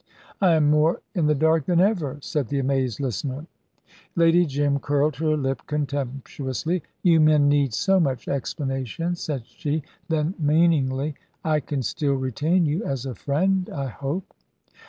'" "I am more in the dark than ever," said the amazed listener. Lady Jim curled her lip contemptuously. "You men need so much explanation," said she; then, meaningly, "I can still retain you as a friend, I hope."